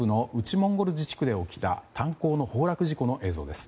モンゴル自治区で起きた炭鉱の崩落事故の映像です。